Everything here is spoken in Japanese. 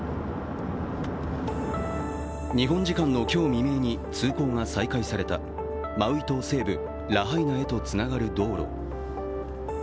日本時間の今日未明に通行が再開されたマウイ島西部ラハイナへとつながる道路。